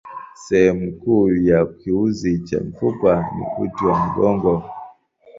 Sehemu kuu ya kiunzi cha mifupa ni uti wa mgongo.